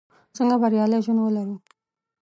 څنګه بریالی ژوند ولرو?